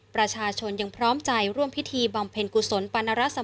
ประชาชนยังพร้อมใจร่วมพิธีบำเพ็ญกุศลปานรักษา